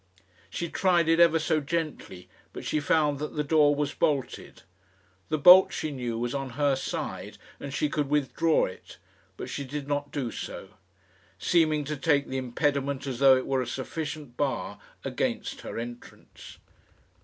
She tried it ever so gently, but she found that the door was bolted. The bolt, she knew, was on her side, and she could withdraw it; but she did not do so; seeming to take the impediment as though it were a sufficient bar against her entrance.